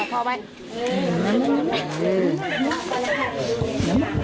โอ้โหโอ้โห